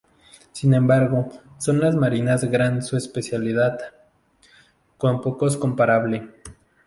Sin embargo son las marinas gran su especialidad, con pocos comparable.